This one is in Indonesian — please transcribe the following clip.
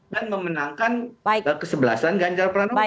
dan memenangkan kesebalasan ganjar pranowo